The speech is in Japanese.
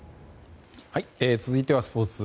続いてはスポーツ。